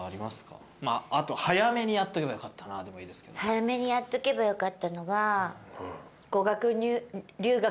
早めにやっとけばよかったのが。